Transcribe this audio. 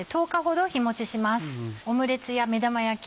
オムレツや目玉焼き